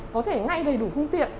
có thể ngay đầy đủ phương tiện